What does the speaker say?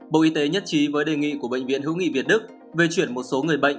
bộ y tế nhất trí với đề nghị của bệnh viện hữu nghị việt đức về chuyển một số người bệnh